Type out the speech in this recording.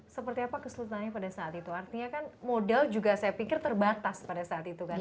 seperti apa kesulitannya pada saat itu artinya kan modal juga saya pikir terbatas pada saat itu kan